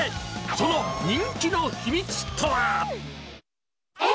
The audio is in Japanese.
その人気の秘密とは。